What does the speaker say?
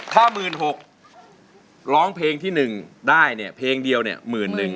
ถ้า๑๖๐๐๐บาทร้องเพลงที่๑ได้เนี่ยเพลงเดียวเนี่ย๑๑๐๐๐บาท